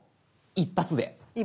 一発で。